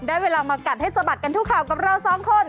เวลามากัดให้สะบัดกันทุกข่าวกับเราสองคน